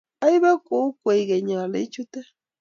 Aibe kou kwekeny ale ichute